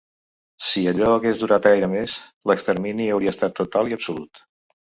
Si allò hagués durat gaire més, l’extermini hauria estat total i absolut.